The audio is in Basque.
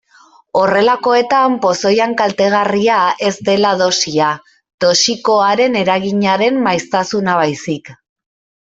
Horrelakoetan pozoian kaltegarria ez dela dosia, toxikoaren eraginaren maiztasuna baizik.